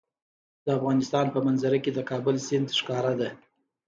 د افغانستان په منظره کې د کابل سیند ښکاره ده.